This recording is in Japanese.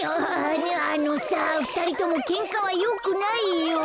あのさふたりともけんかはよくないよ。